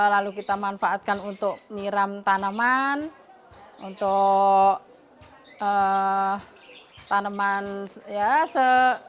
lalu kita manfaatkan untuk miram tanaman untuk tanaman ya se